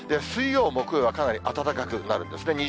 水曜、木曜はかなり暖かくなるんですね。